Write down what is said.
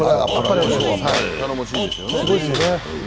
頼もしいですよね。